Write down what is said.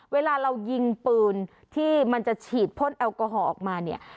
เวลาเรายิงปืนที่มันจะฉีดพ่นแอลกอฮอล์ออกมาเนี่ย